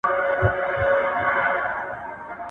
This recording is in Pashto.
ایا ستا ماشوم د شپې له تیارې څخه وېره لري؟